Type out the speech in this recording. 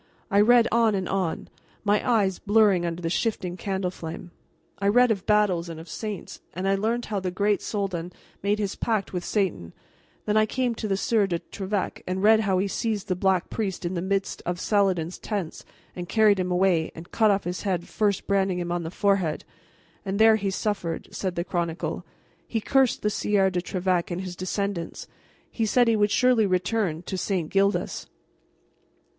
I read on and on, my eyes blurring under the shifting candle flame. I read of battles and of saints, and I learned how the Great Soldan made his pact with Satan, and then I came to the Sieur de Trevec, and read how he seized the Black Priest in the midst of Saladin's tents and carried him away and cut off his head first branding him on the forehead. "And before he suffered," said the Chronicle, "he cursed the Sieur de Trevec and his descendants, and he said he would surely return to St. Gildas.